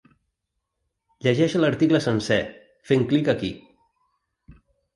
Llegeix l’article sencer, fent clic aquí.